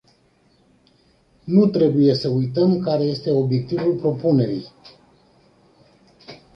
Nu trebuie să uităm care este obiectivul propunerii.